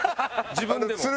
自分でも。